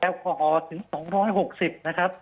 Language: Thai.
แอลกอฮอลถึง๒๖๐นะครับ